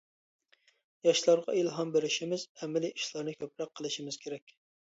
ياشلارغا ئىلھام بېرىشىمىز، ئەمەلىي ئىشلارنى كۆپرەك قىلىشىمىز كېرەك.